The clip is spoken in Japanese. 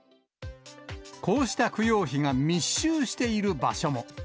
こうした供養碑が密集している場所も。